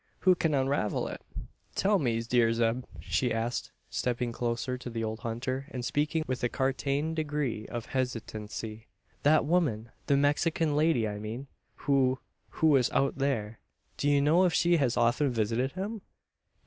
Who can unravel it?" "Tell me, dear Zeb," she asked, stepping closer to the old hunter, and speaking with a cartain degree of hesitancy. "That woman the Mexican lady I mean who who was out there. Do you know if she has often visited him?"